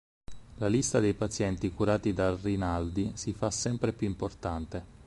La lista dei pazienti curati dal Rinaldi si fa sempre più importante.